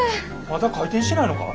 まだ開店してないのか？